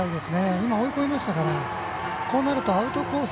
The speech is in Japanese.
今、追い込みましたからこうなるとアウトコース